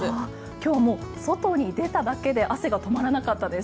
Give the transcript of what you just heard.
今日、外に出ただけで汗が止まらなかったです。